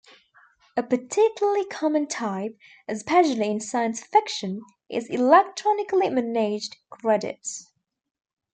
A particularly common type, especially in science fiction, is electronically managed "credits".